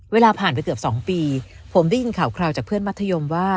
เวลาผ่านไปเกือบ๒ปีผมได้ยินข่าวคราวจากเพื่อนมัธยมว่า